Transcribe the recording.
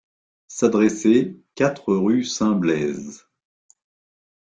S'adresser quatre, rue St-Blaise.